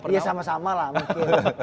ya sama sama lah mungkin